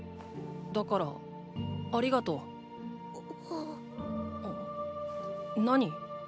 だからありがとう。何？